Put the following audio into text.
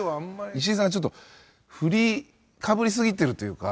石井さんがちょっと振りかぶりすぎてるというか。